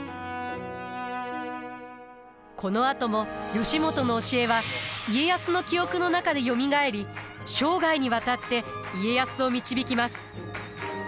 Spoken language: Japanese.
このあとも義元の教えは家康の記憶の中でよみがえり生涯にわたって家康を導きます。